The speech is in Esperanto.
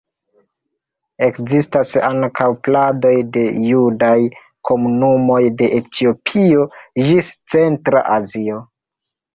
Ekzistas ankaŭ pladoj de judaj komunumoj de Etiopio ĝis Centra Azio.